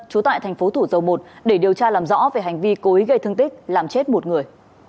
trú tại thành phố thủ dầu một để điều tra làm rõ về hành vi cố ý gây thương tích làm chết một người